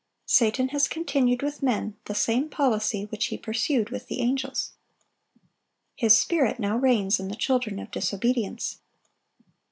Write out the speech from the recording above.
Satan has continued with men the same policy which he pursued with the angels. His spirit now reigns in the children of disobedience.